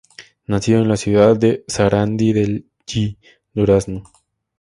Nacido en la ciudad de Sarandí del Yí, Durazno.